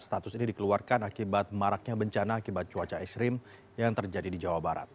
status ini dikeluarkan akibat maraknya bencana akibat cuaca ekstrim yang terjadi di jawa barat